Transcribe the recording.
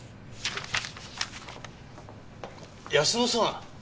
泰乃さん！